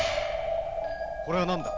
これは何だ。